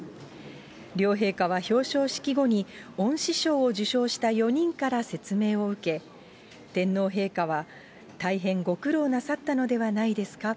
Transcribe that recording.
両陛下は表彰式後に、恩賜賞を受賞した４人から説明を受け、天皇陛下は大変ご苦労なさったのではないですか。